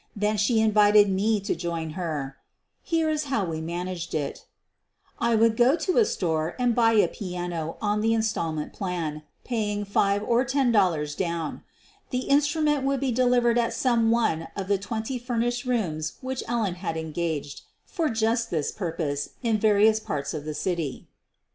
Then she invited me to join her. Here is how we man aged it: I would go to a store and buy a piano on the in stallment plan, paying five or ten dollars down. The instrument would be delivered at some one of the twenty furnished rooms which Ellen had en gaged for just this purpose in various parts of the city.